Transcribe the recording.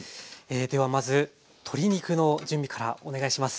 ではまず鶏肉の準備からお願いします。